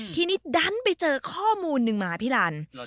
ทีนี้ดันไปเจอข้อมูลนึงมาพี่ลัน